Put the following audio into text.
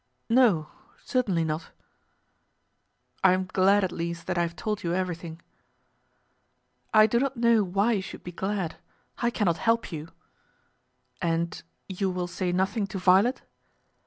"No; certainly not." "I am glad at least that I have told you everything." "I do not know why you should be glad. I cannot help you." "And you will say nothing to Violet?"